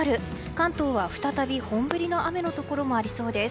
関東は再び本降りの雨のところもありそうです。